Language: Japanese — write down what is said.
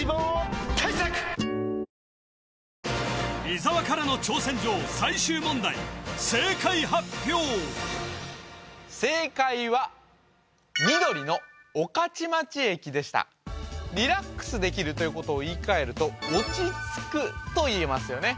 伊沢からの挑戦状最終問題正解発表正解は緑の御徒町駅でしたリラックスできるということを言い換えると落ち着くといえますよね